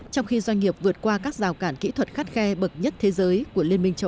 trong khi doanh nghiệp vượt qua các rào cản kỹ thuật khắt khe bậc nhất thế giới của liên minh châu âu